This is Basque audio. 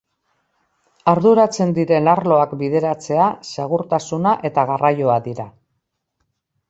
Arduratzen diren arloak bideratzea, segurtasuna eta garraioa dira.